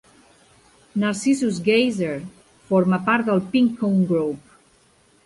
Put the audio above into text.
Narcissus Geyser forma part del Pink Cone Group.